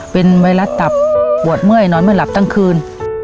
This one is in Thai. เป็นไวรัสตับปวดเมื่อยนอนไม่หลับทั้งคืน